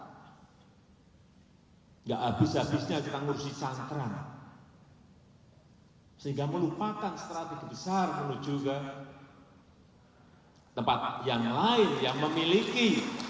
tidak habis habisnya kita ngurusi cantrang sehingga melupakan strategi besar menuju ke tempat yang lain yang memiliki